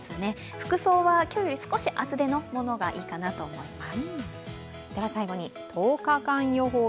服装は今日より少し厚手のものがいいかなと思います。